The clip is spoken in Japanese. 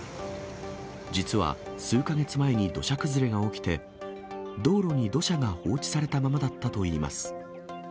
実は数か月前に土砂崩れが起きて、道路に土砂が放置されたままだったといいます。